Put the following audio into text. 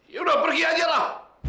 ya udah pergi aja lah